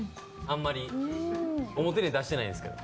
あんまり表に出してないんですけど。